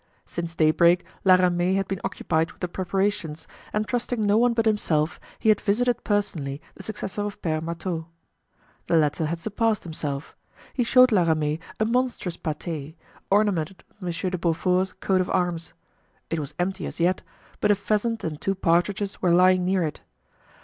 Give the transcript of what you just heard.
Since daybreak La Ramee had been occupied with the preparations, and trusting no one but himself, he had visited personally the successor of Pere Marteau. The latter had surpassed himself; he showed La Ramee a monstrous pate, ornamented with Monsieur de Beaufort's coat of arms. It was empty as yet, but a pheasant and two partridges were lying near it.